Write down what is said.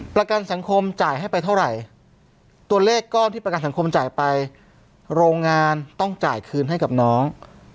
ประกันสังคมจ่ายให้ไปเท่าไหร่ตัวเลขก้อนที่ประกันสังคมจ่ายไปโรงงานต้องจ่ายคืนให้กับน้อง